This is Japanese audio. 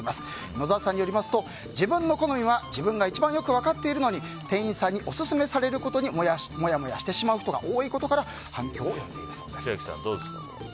野澤さんによりますと自分の好みは自分が一番よく分かっているのに店員さんにオススメされることにモヤモヤしてしまう人が多いことから千秋さん、どうですか？